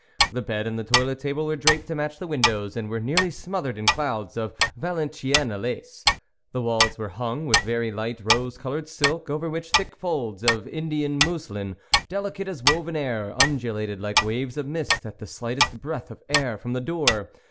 The bed and the toilet table were draped to match the windows, and were nearly smothered in clouds of Valenciennes lace. The walls were hung with very light rose coloured silk, over which thick folds of Indian muslin, delicate as woven air, undulated like waves of mist at the slight est breath of air from the door.